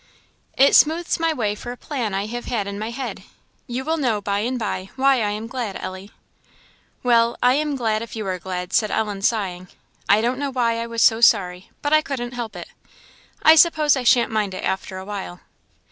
"It smooths my way for a plan I have had in my head; you will know by and by why I am glad, Ellie." "Well, I am glad if you are glad," said Ellen, sighing; "I don't know why I was so sorry, but I couldn't help it. I suppose I shan't mind it after a while."